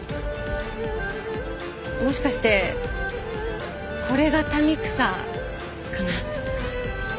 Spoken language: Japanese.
もしかしてこれがたみくさかな？